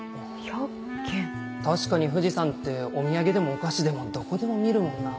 確かに富士山ってお土産でもお菓子でもどこでも見るもんなぁ。